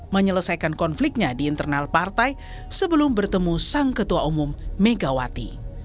menyelesaikan konfliknya di internal partai sebelum bertemu sang ketua umum megawati